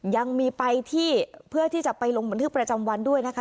ยังมีไปที่เพื่อที่จะไปลงบันทึกประจำวันด้วยนะคะ